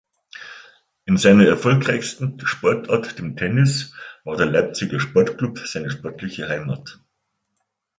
In seiner erfolgreichsten Sportart, dem Tennis, war der Leipziger Sport-Club seine sportliche Heimat.